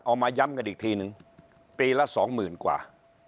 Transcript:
มาย้ำกันอีกทีนึงปีละสองหมื่นกว่า